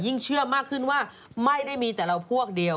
เชื่อมากขึ้นว่าไม่ได้มีแต่เราพวกเดียว